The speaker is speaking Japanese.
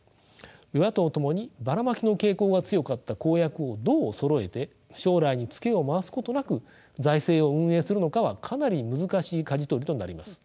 与野党共にバラマキの傾向が強かった公約をどうそろえて将来にツケを回すことなく財政を運営するのかはかなり難しいかじ取りとなります。